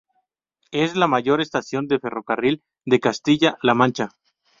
Es la mayor estación de ferrocarril de Castilla-La Mancha.